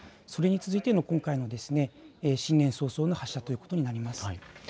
それに続いての今回の新年早々の発射ということになります。